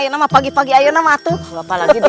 itu terkait dengan lagu umumintell particle